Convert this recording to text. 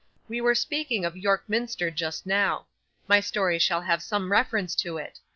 We were speaking of York Minster just now. My story shall have some reference to it.